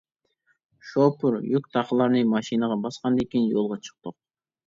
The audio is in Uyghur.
شوپۇر يۈك-تاقلارنى ماشىنىغا باسقاندىن كىيىن، يولغا چىقتۇق.